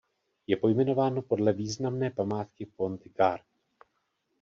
Je pojmenováno podle významné památky Pont du Gard.